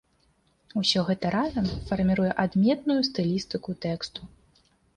Усё гэта разам фарміруе адметную стылістыку тэксту.